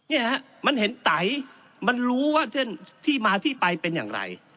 เนี่ยฮะมันเห็นไตมันรู้ว่าที่มาที่ไปเป็นอย่างไร